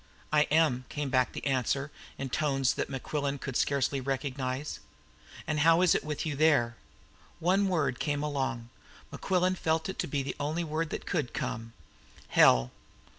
"I am," came back the answer, in tones that Mequillen could scarcely recognise. "How is it with you there?" One word came along. Mequillen felt it to be the only word that could come. "Hell!"